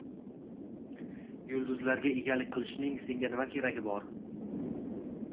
— Yulduzlarga egalik qilishning senga nima keragi bor?